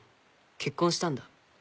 結婚したんだ。